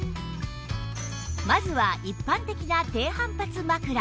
まずは一般的な低反発枕